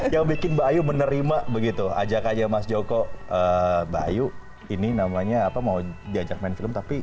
yang bikin bayu menerima begitu ajak aja mas joko bayu ini namanya apa mau diajak main film tapi